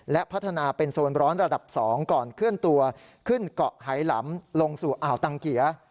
และพัฒนาเป็นโซนร้อนระดับ๒ก่อนเคลื่อนตัวขึ้นเกาะไหลำลงสู่อ่าวตังเกีย